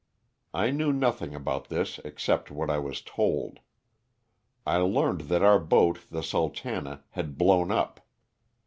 I knew nothing about this except what I was told. I learned that our boat, the *^ Sultana," had blown up.